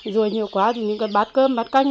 rùi nhiều quá thì mình cần bát cơm bát canh